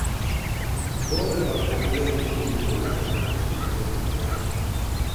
bodi ya wakurugenzi iliunda kamati ya uwekezaji